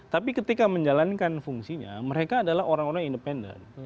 tapi ketika menjalankan fungsinya mereka adalah orang orang independen